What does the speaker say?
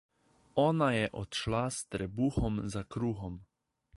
Ona je odšla s trebuhom za kruhom.